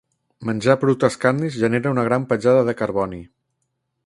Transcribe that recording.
Menjar productes carnis genera una gran petjada de carboni.